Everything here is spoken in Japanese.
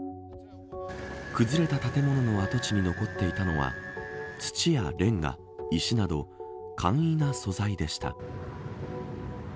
崩れた建物の跡地に残っていたのは土やレンガ石など、簡易な素材でした。